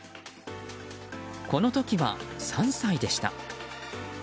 この時は３歳でした。